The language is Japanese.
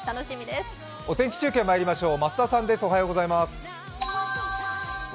お天気中継まいりましょう。